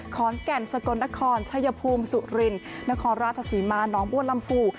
ขอนแก่นสกลนครชัยภูมิสุรินนครราชศรีมาน้องบัวลำพู